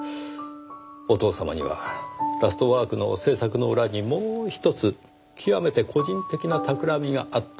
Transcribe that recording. お父様には『ラストワーク』の制作の裏にもう１つ極めて個人的なたくらみがあった。